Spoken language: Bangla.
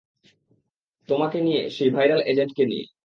তোমাকে নিয়ে, সেই ভাইরাল অ্যাজেন্টকে নিয়ে।